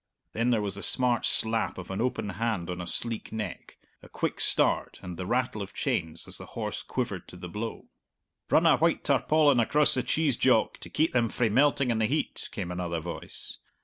Then there was the smart slap of an open hand on a sleek neck, a quick start, and the rattle of chains as the horse quivered to the blow. "Run a white tarpaulin across the cheese, Jock, to keep them frae melting in the heat," came another voice.